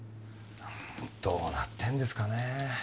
どうなってんですかね。